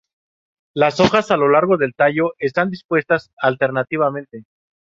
Las hojas a lo largo del tallo están dispuestas alternativamente.